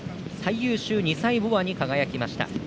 最優秀２歳牡馬に輝きました。